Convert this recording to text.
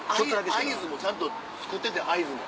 合図もちゃんと作ってて合図も。